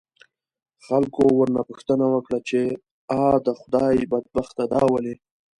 خلکو ورنه پوښتنه وکړه، چې آ د خدای بدبخته دا ولې؟